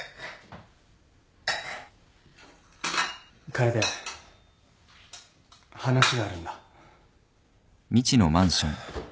楓話があるんだ。